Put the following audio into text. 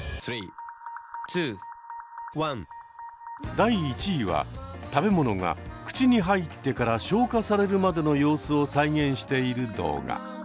第１位は食べ物が口に入ってから消化されるまでの様子を再現している動画。